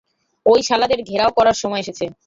ওই শালাদের ঘেরাও করার সময় এসেছে।